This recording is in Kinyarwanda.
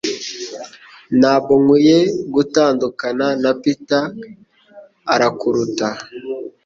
Ntabwo nkwiye gutandukana na Peter - arakuruta